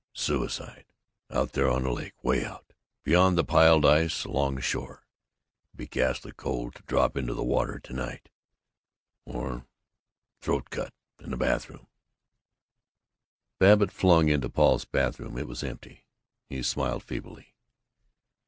Suicide. Out there in the lake, way out, beyond the piled ice along the shore. It would be ghastly cold to drop into the water to night. Or throat cut in the bathroom Babbitt flung into Paul's bathroom. It was empty. He smiled, feebly.